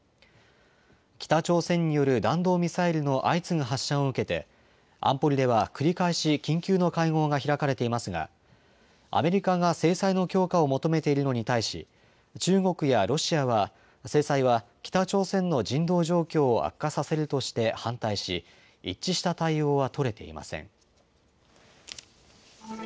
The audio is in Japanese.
北朝鮮による弾道ミサイルの相次ぐ発射を受けて、安保理では繰り返し緊急の会合が開かれていますが、アメリカが制裁の強化を求めているのに対し、中国やロシアは、制裁は、北朝鮮の人道状況を悪化させるとして反対し、一致した対応は取れていません。